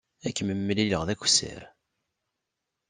Ad kem-mlileɣ d akessar.